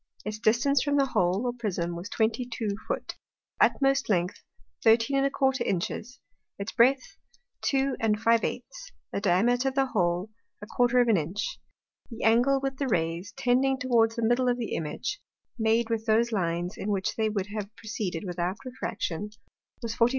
Its distance from the Hole or Prism was twenty two Foot; its utmost length 13¼ Inches; its breadth 2⅝; the Diameter of the Hole ¼ of an Inch; the Angle, with the Rays, tending towards the middle of the Image, made with those Lines, in which they would have proceeded without Refraction, was 44° 56'.